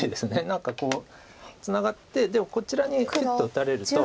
何かこうツナがってこちらにキュッと打たれると。